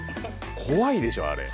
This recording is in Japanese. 怖いでしょあれ。